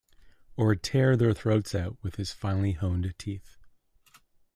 Or tear their throats out with his finely honed teeth.